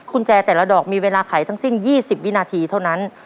กุญแจแต่ละดอกมีเวลาขายทั้งสิ้นยี่สิบวินาทีเท่านั้น